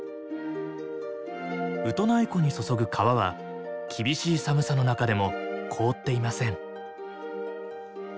ウトナイ湖に注ぐ川は厳しい寒さの中でも凍っていません。